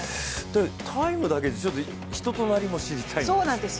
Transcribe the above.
タイムだけで人となりも知りたいんです。